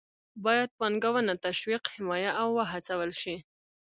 باید پانګونه تشویق، حمایه او وهڅول شي.